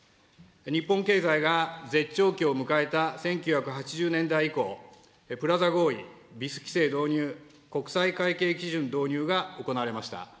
日本経済が絶頂期を迎えた１９８０年代以降、プラザ合意、ＢＩＳ規制導入、国際会計基準導入が行われました。